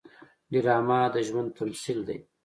ډرامه د ژوند تمثیل دی